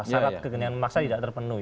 syarat kekendingan yang memaksa tidak terpenuhi